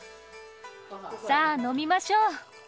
さあ、飲みましょう。